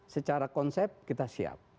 secara konsep kita siap